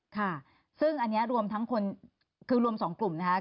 ค่ะซึ่งอันนี้รวมทั้งคนคือรวม๒กลุ่มนะคะ